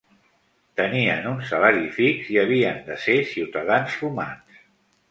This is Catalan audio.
Tenien un salari fix i havien de ser ciutadans romans.